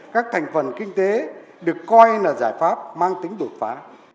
các thành phần kinh tế được coi là giải pháp mang tính đột phá